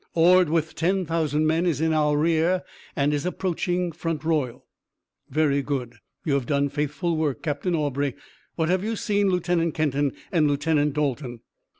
"Ord with ten thousand men is in our rear and is approaching Front Royal." "Very good. You have done faithful work, Captain Aubrey. What have you seen, Lieutenant Kenton and Lieutenant Dalton?"